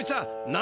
何！？